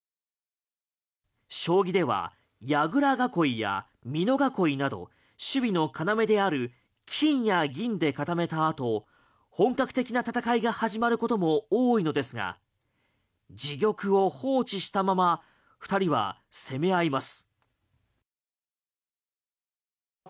将棋では矢倉囲いや美濃囲いなど守備の要である金や銀で固めたあと本格的な戦いが始まることも多いのですが自玉を放置したまま２人は攻め合います。